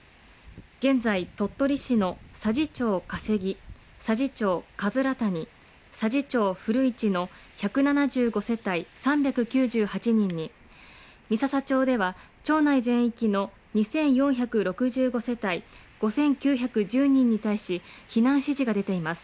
現在、鳥取市の佐治町加瀬木、佐治町葛谷、佐治町古市の１７５世帯３９８人に、三朝町では町内全域の２４６５世帯５９１０人に対し、避難指示が出ています。